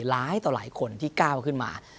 ร้ายไต่หลายคนที่กล้าวขึ้นมา